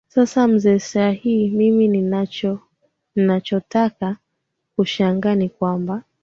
sasa mzee shah mimi ninacho nachotaka kushangaa ni kwamba